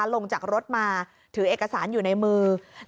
ไปขออำนาจศาลอาญากรุงเทพใต้ฝากขังตั้งแต่เมื่อวานนี้นะครับ